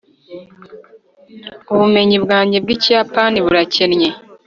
ubumenyi bwanjye bw'ikiyapani burakennye